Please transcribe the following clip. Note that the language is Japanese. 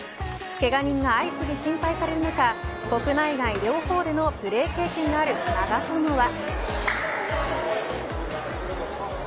けが人が相次ぎ心配される中国内外両方でのプレー経験がある長友は。